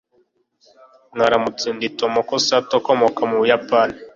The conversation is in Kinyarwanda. mwaramutse, ndi tomoko sato ukomoka mu buyapani